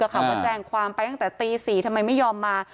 ว่าแจงความไปตั้งแต่ตี๔เธอร์ไม่ยอมมา